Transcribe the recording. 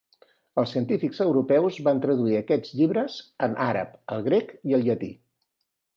Els científics europeus van traduir aquests llibres en àrab al grec i al llatí.